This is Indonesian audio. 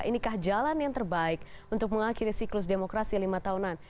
inikah jalan yang terbaik untuk mengakhiri siklus demokrasi lima tahunan